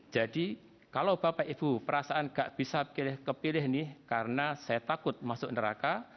jadi kalau bapak ibu perasaan gak bisa kepilih ini karena saya takut masuk neraka